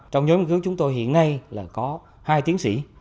trong nhóm nghiên cứu chúng tôi hiện nay là có hai tiến sĩ